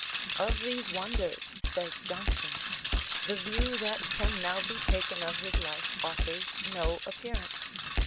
"Of these wonders," says Johnson, "the view that can now be taken of his life offers no appearance."